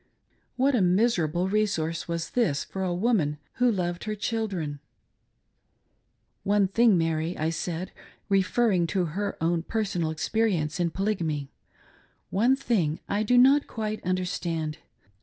What a miserable resource was this for a mother who loved her children !" One thing, Mary," I said, referring to her own personal ex perience in Polygamy —" one thing I do not quite understand.